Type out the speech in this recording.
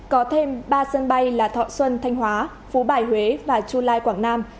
có thêm ba sân bay là thọ xuân thanh hóa phú bài huế và chu lai quảng nam